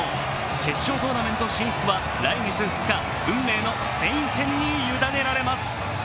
決勝トーナメント進出は来月２日、運命のスペイン戦に委ねられます。